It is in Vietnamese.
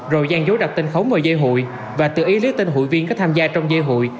rồi gian dối đặt tên khống vào dây hụi và tự ý lấy tên hụi viên có tham gia trong dây hụi